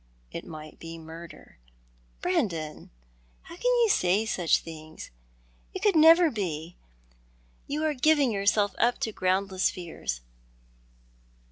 It might be murder." "Brandon! Oh, how can you say such things? It could never be ! You are giving yourself up to groundless fears.